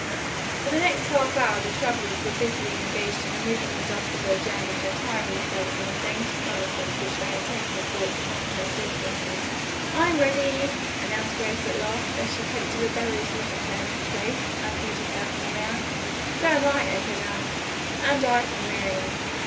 For the next half hour the travelers were busily engaged in removing the dust of their journey and attiring themselves in the dainty summer frocks which they had taken thought to pack in their suit cases. "I'm ready," announced Grace at last, as she poked a rebellious lock of hair into place, and viewed herself in the mirror. "So am I," echoed Anne. "And I," from Miriam.